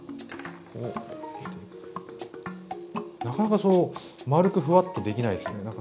なかなかそう丸くふわっとできないですね。